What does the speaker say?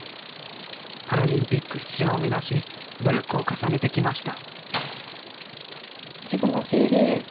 パラリンピック出場を目指し、努力を重ねてきました。